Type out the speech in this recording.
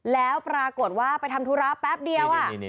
แล้วปรากฏว่าไปทำธุระแป๊บเดียว